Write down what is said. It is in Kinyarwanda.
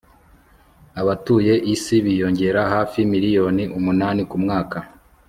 abatuye isi biyongera hafi miliyoni umunani ku mwaka